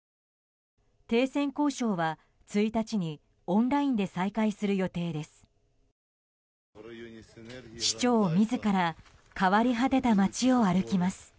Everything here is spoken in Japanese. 停戦交渉は１日にオンラインで再開する予定です。